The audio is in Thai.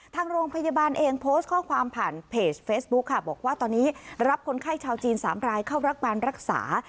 ทางโรงพยาบาลเองโพสต์ข้อความผ่านเพจเฟซบุ๊คค่ะบอกว่าตอนนี้รับคนไข้ชาวจีน๓รายเข้ารับการรักษา